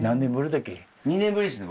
２年ぶりっすね